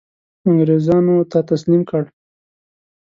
انګرېزانو ته تسلیم کړ.